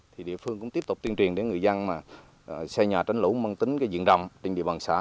thì địa phương cũng tiếp tục tiên truyền đến người dân xây nhà tránh lũ măng tính cái diện rộng trên địa bàn xã